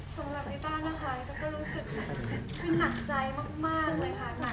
สำหรับนิตานะคะก็รู้สึกหนังใจมากเลยค่ะ